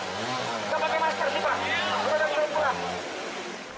tidak pakai masker di sini